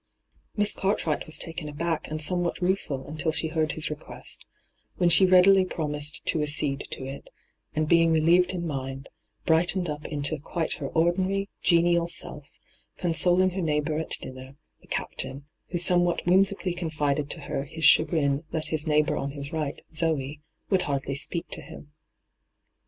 Miss Cartwright was taken aback and some what ruefid until she heard his request, when she readily promised to accede to it, and, being relieved in mind, brightened up into quite her ordinary genial self, consoling her hyGoo^lc 2i6 ENTRAPPED neighbour at dinner, the Captain, who some what whimsically confided to her his chagrin that his neighbour on his right, Zoe, would hardly speak to him.